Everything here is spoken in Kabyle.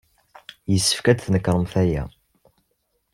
Yessefk ad tnekṛemt aya.